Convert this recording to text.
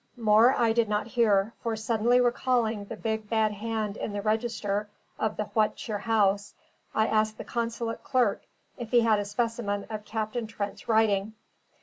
More I did not hear; for suddenly recalling the big, bad hand in the register of the What Cheer House, I asked the consulate clerk if he had a specimen of Captain Trent's writing.